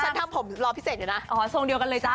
ช่างผมรอพี่เสกเดี๋ยวนะอ๋อทรงเดียวกันเลยจ้ะ